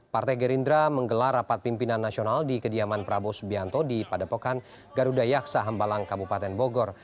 partai gerindra menggelar rapat pimpinan nasional di kediaman prabowo subianto di padepokan garuda yaksa hambalang kabupaten bogor